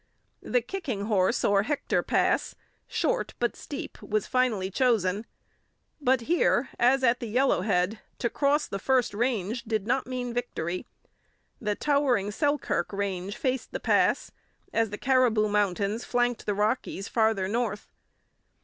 The Kicking Horse or Hector Pass, short but steep, was finally chosen, but here, as at the Yellowhead, to cross the first range did not mean victory. The towering Selkirk range faced the pass, as the Cariboo Mountains flanked the Rockies farther north.